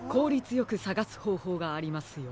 よくさがすほうほうがありますよ。